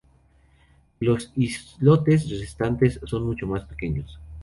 Los islotes restantes son mucho más pequeños.